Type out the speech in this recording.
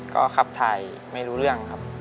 ก็ขับถ่ายไม่รู้เรื่องครับ